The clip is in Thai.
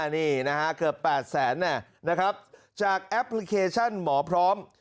นี่นะฮะเกือบ๘แสนนะครับจากแอปพลิเคชันหมอพร้อม